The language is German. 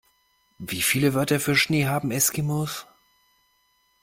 Wie viele Wörter für Schnee haben Eskimos?